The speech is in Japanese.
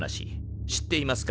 知っていますか？